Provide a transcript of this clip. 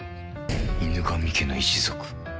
犬神家の一族。